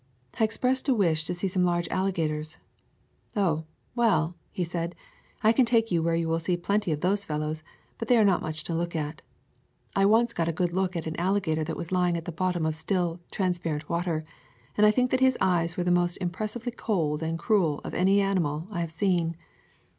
I expressed a wish to see some large alli gators. "Oh, well," said he, "I can take you where you will see plenty of those fellows, but they are not much to look at. I once got a good look at an alligator that was lying at the bottom of still, transparent water, and I think that his eyes were the most impressively cold and cruel of any animal I have seen.